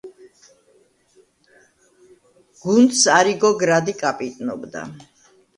გუნდს არიგო გრადი კაპიტნობდა.